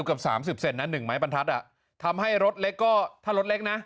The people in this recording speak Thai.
เกือบสามสิบเซนนะ๑ไม้บรรทัดอ่ะทำให้รถเล็กก็ถ้ารถเล็กนะ